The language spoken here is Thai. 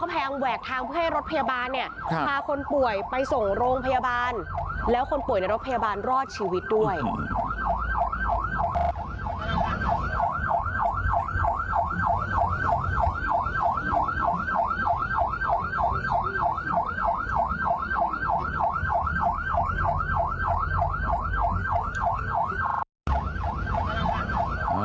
ปาคนป่วยไปส่งโรงพยาบาลแล้วคนป่วยในรถพยาบาลรอดชีวิตด้วย